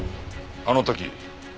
あの時？